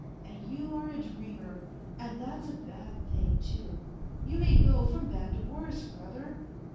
And you are a dreamer, and that's a bad thing, too ; you may go from bad to worse, brother.